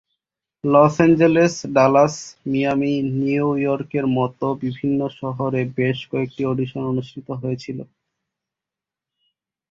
Loss Angeles, Dallas, Miami, নিউইয়র্কের মতো বিভিন্ন শহরে বেশ কয়েকটি অডিশন অনুষ্ঠিত হয়েছিল।